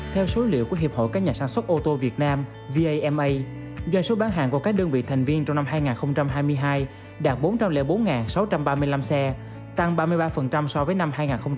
theo số liệu của hiệp hội các nhà sản xuất ô tô việt nam vama doanh số bán hàng của các đơn vị thành viên trong năm hai nghìn hai mươi hai đạt bốn trăm linh bốn sáu trăm ba mươi năm xe tăng ba mươi ba so với năm hai nghìn hai mươi hai